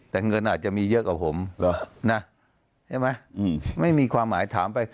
แต่เงินอาจจะมีเยอะกว่าผมเหรอนะใช่ไหมไม่มีความหมายถามไป